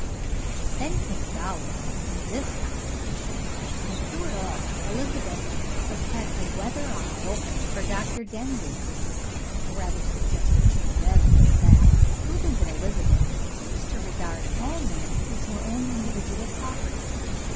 Then came Goward and this complication, and through it all Elizabeth has had a weather eye open for Dr. Denbigh. A rather suggestive chain of evidence that, proving that Elizabeth seems to regard all men as her own individual property.